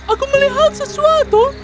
aku melihat sesuatu